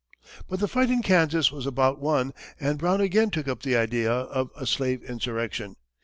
But the fight in Kansas was about won, and Brown again took up the idea of a slave insurrection.